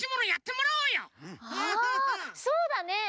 あそうだね。